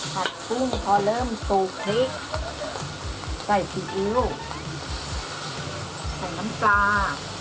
ผัดกุ้งพอเริ่มตูพริกใส่พริกอิ้วใส่น้ำตา